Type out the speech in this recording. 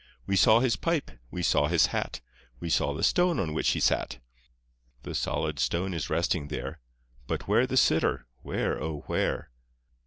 We saw his pipe, we saw his hat, We saw the stone on which he sat. The solid stone is resting there, But where the sitter? Where, oh! where?